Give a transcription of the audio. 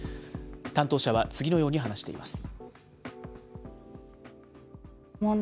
担当者は次のように話しています。